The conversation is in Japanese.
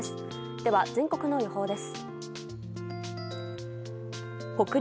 では全国の予報です。